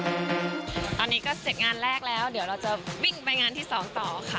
ตอนนี้ก็เสร็จงานแรกแล้วเดี๋ยวเราจะวิ่งไปงานที่๒ต่อค่ะ